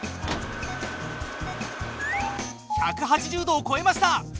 １８０度をこえました！